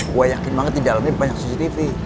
gue yakin banget di dalam ini banyak cctv